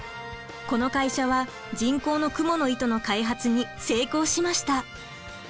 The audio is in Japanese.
この会社は人工のクモの糸の開発に成功しました。